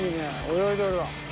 泳いどるわ。